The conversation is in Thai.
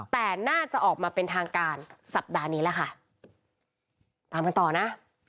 แต่น่าจะออกมาเป็นทางการสัปดาห์นี้แหละค่ะตามกันต่อนะ